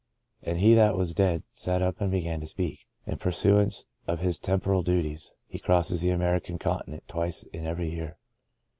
" And he that was dead sat up and began to speak." In pursuance of his temporal duties, he crosses the American continent twice in every year.